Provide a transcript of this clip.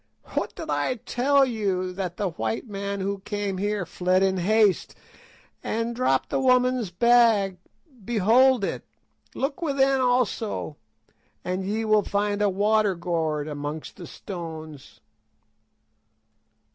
"What did I tell you, that the white man who came here fled in haste, and dropped the woman's bag—behold it! Look within also and ye will find a water gourd amongst the stones."